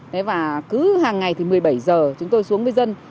thế và cứ hàng ngày thì một mươi bảy giờ chúng tôi xuống với dân